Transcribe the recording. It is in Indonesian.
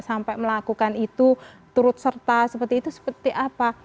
sampai melakukan itu turut serta seperti itu seperti apa